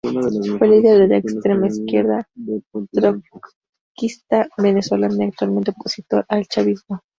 Fue líder de la extrema izquierda trotskista venezolana y actualmente opositor al chavismo.